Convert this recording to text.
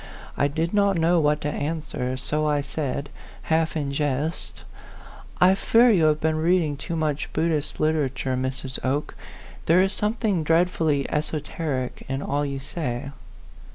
I did not know what to answer, so I said, half in jest, " I fear you have been reading too much Buddhist literature, Mrs. Oke. There is A PHANTOM LOVER. 129 something dreadfully esoteric in all you say."